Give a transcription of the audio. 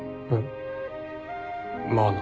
まあな。